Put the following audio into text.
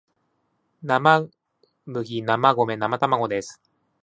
生麦生米生卵です